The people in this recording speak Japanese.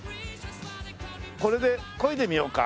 これでこいでみようか。